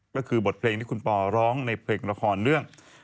ก็คือบทเพลงที่คุณปอร้องในเพลงละครเรื่อง